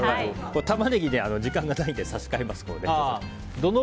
タマネギは時間がないので差し替えます。